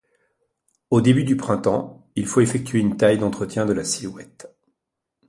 Au début du printemps, il faut effectuer une taille d'entretien de la silhouette.